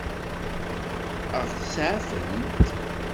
Ad ɣ-seɛfent?